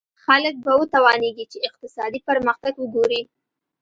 خلک به وتوانېږي چې اقتصادي پرمختګ وګوري.